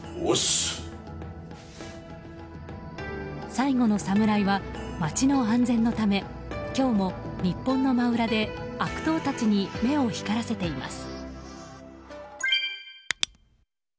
最後のサムライは街の安全のため今日も日本の真裏で悪党たちに目を光らせています。